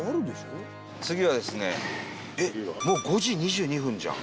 次はですねえっもう５時２２分じゃん。